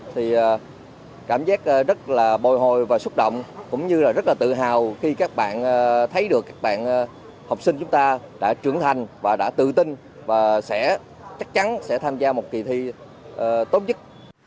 thì cảm giác rất là bồi hồi và xúc động cũng như là rất là tự hào khi các bạn thấy được các bạn học sinh chúng ta đã trưởng thành và đã tự tin và sẽ chắc chắn sẽ tham gia một kỳ thi tốt nhất